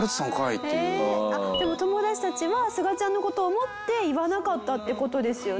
でも友達たちはすがちゃんの事を思って言わなかったって事ですよね。